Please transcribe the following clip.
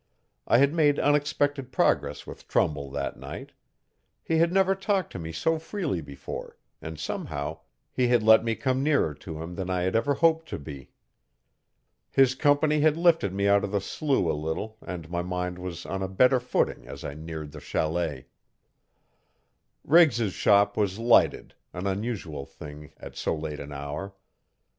I had made unexpected progress with Trumbull that night. He had never talked to me so freely before and somehow he had let me come nearer to him than I had ever hoped to be. His company had lifted me out of the slough a little and my mind was on a better footing as I neared the chalet. Riggs's shop was lighted an unusual thing at so late an hour.